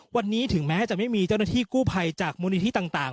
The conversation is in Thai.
วันนี้ถึงแม้จะไม่มีเจ้าหน้าที่กู้ภัยจากมูลนิธิต่าง